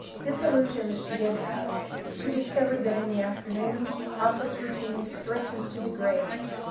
Disillusions she did have. She discovered that in the afternoon, office routine stretches to the grave.